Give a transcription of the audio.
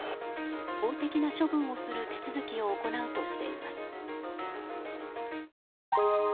法的な処分をする手続きを行うとしています。